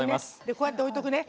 こうやって置いておくね。